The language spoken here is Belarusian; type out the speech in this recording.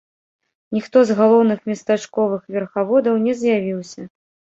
Ніхто з галоўных местачковых верхаводаў не з'явіўся.